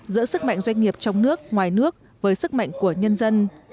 giữa sức mạnh doanh nghiệp trong nước ngoài nước với sức mạnh của nhân dân